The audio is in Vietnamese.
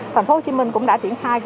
tp hcm cũng đã triển khai